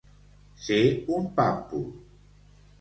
Ser un pàmpol.